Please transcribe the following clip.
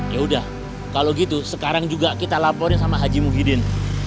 yaudah kalo gitu sekarang juga kita laporin sama haji muhyiddin